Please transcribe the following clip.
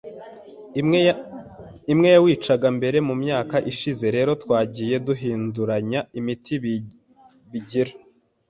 imwe yawicaga mbere Mu myaka ishize rero twagiye duhinduranya imiti bigira